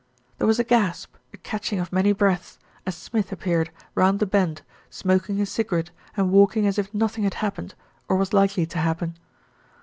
There was a gasp, a catching of many breaths, as Smith appeared round the bend smoking a cigarette and walking as if nothing had happened, or was likely to happen.